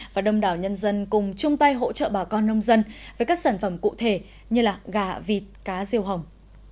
và đông đảo nhân dân cùng chung tay hỗ trợ bà con nông dân với các sản phẩm cụ thể như gà vịt cá riêu hồng